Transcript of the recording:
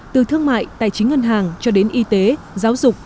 từ thương mại tài chính ngân hàng cho đến y tế giáo dục